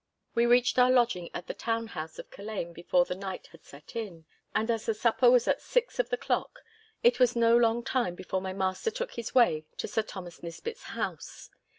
We reached our lodging at the town house of Culzean before the night had set in, and as the supper was at six of the clock, it was no long time before my master took his way to Sir Thomas Nisbett's house.